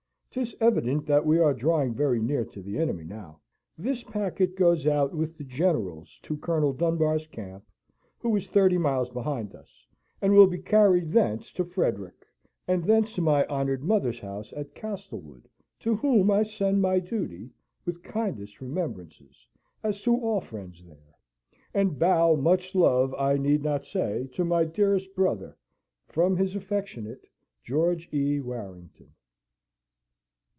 'Tis evident that we are drawing very near to the enemy now. This packet goes out with the General's to Colonel Dunbar's camp, who is thirty miles behind us; and will be carried thence to Frederick, and thence to my honoured mother's house at Castlewood, to whom I send my duty, with kindest remembrances, as to all friends there, and bow much love I need not say to my dearest brother from his affectionate GEORGE E. WARRINGTON."